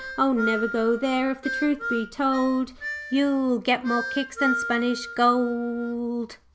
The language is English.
O, never go there: if the truth be told, You'll get more kicks than Spanish gold."'